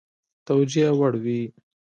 توجیه وړ وي.